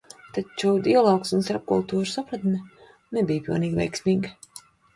Taču dialogs un starpkultūru sapratne nebija pilnīgi veiksmīga.